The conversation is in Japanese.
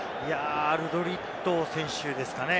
アルドリット選手ですかね。